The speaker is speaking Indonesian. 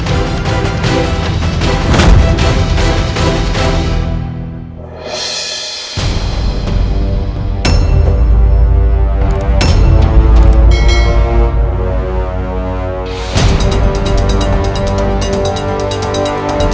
aku harus menggunakan ajem pabuk kasku